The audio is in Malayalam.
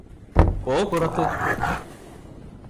പോ പുറത്ത്